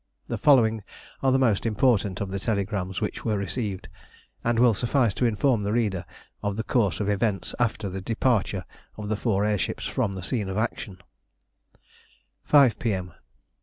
The following are the most important of the telegrams which were received, and will suffice to inform the reader of the course of events after the departure of the four air ships from the scene of action 5 P.M.